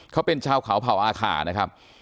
เขาเป็นชาวเขาเผ่าอาคานะครับ